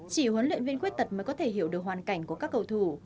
chỉ huấn luyện viên khuyết tật mới có thể hiểu được hoàn cảnh của các cầu thủ